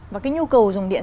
và cái nhu cầu dùng điện